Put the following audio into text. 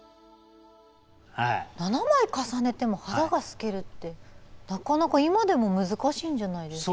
７枚重ねても肌が透けるってなかなか今でも難しいんじゃないですか。